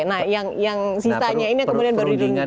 nah yang sisanya ini kemudian baru dirundingkan